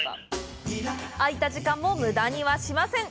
空いた時間も無駄にはしません！